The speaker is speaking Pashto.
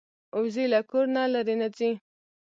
وزې له کور نه لرې نه ځي